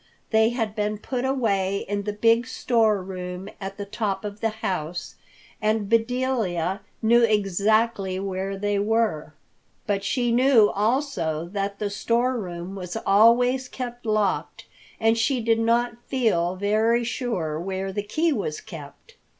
They had been put away in the big store room at the top of the house, and Bedelia knew exactly where they were. But she knew, also, that the store room was always kept locked and she did not feel very sure where the key was kept.